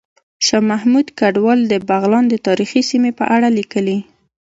شاه محمود کډوال د بغلان د تاریخي سیمې په اړه ليکلي